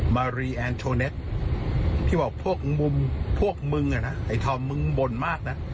มารีแอนโทเน็ตพี่บอกพวกมุมพวกมึงอ่ะนะไอ้ทอมมึงบ่นมากนะ